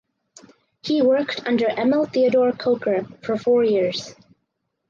He worked under Emil Theodor Kocher for four years.